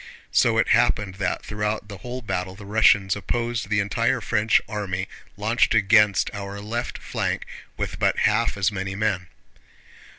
So it happened that throughout the whole battle the Russians opposed the entire French army launched against our left flank with but half as many men.